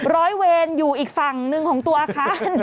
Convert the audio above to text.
ร้อยเวรอยู่อีกฝั่งหนึ่งของตัวอาคาร